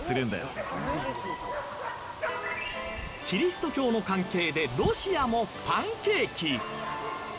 キリスト教の関係でロシアもパンケーキ。